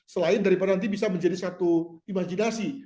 selain daripada nanti bisa menjadi satu imajinasi